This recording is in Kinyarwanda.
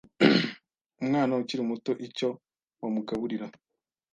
umwana ukiri muto icyo wamugaburira